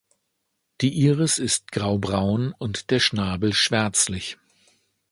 Die Iris ist graubraun und der Schnabel schwärzlich.